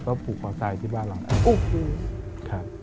ก็ผูกคอตายที่บ้านหลังนั้น